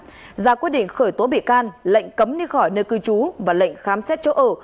đồng thời ra các quy định khởi tố bị can áp dụng lệnh cấm đi khỏi nơi cư trú và lệnh khám xét chỗ ở